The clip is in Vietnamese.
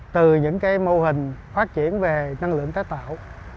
từ những mô hình phát triển về năng lượng tái tạo